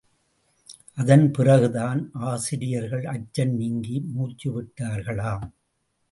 அதன்பிறகுதான் ஆசிரியர்கள் அச்சம் நீங்கி மூச்சு விட்டார்களாம்.